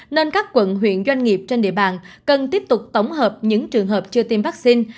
nên các quận huyện doanh nghiệp trên địa bàn cần tiếp tục tổng hợp những trường hợp chưa tiêm vaccine